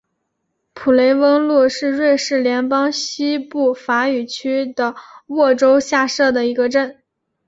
普雷翁路是瑞士联邦西部法语区的沃州下设的一个镇。